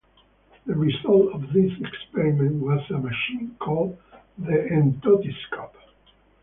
The result of these experiments was a machine called the entoptiscope.